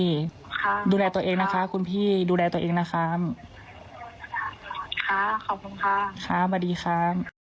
ค่ะดูแลตัวเองนะคะคุณพี่ดูแลตัวเองนะครับค่ะขอบคุณค่ะสวัสดีค่ะ